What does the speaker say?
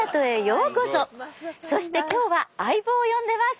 そして今日は相棒を呼んでます。